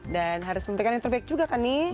dan harus memiliki yang terbaik juga kan nih